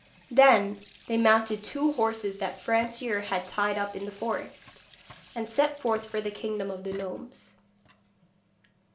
Then they mounted two horses that Francoeur had tied up in the forest, and set forth for the kingdom of the gnomes.